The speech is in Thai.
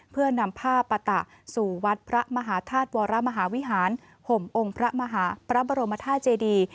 เพื่อนำผ้าปะตะสู่วัดพระมหาธาตุวรมหาวิหารห่มองค์พระบรมธาตุเจดี